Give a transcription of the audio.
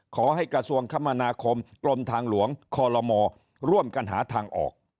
ขอให้กระทรวงคมนาคมกรมทางหลวงคอลโลมร่วมกันหาทางออก